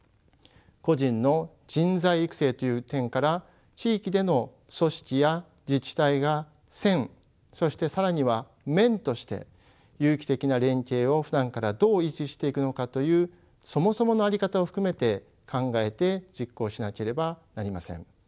個人の人材育成という点から地域での組織や自治体が線そして更には面として有機的な連携をふだんからどう維持していくのかというそもそもの在り方を含めて考えて実行しなければなりません。